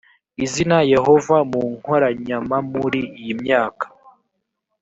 izina yehova mu nkoranyamamuri iyi myaka